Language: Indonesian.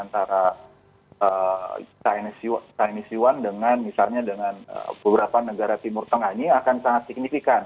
dari china taiwan dengan misalnya dengan beberapa negara timur tengah ini akan sangat signifikan